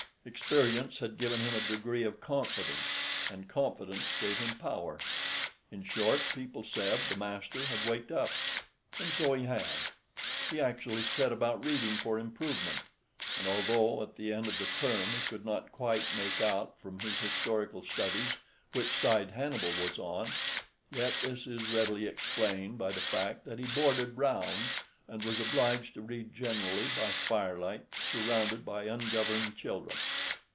Experience had given him a degree of confidence, and confidence gave him power. In short, people said the master had waked up; and so he had. He actually set about reading for improvement; and although at the end of the term he could not quite make out from his historical studies which side Hannibal was on, yet this is readily explained by the fact that he boarded round, and was obliged to read generally by firelight, surrounded by ungoverned children.